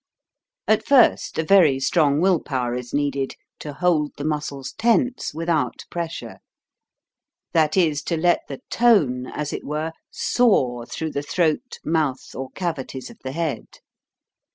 At first a very strong will power is needed to hold the muscles tense without pressure; that is, to let the tone, as it were, soar through the throat, mouth, or cavities of the head.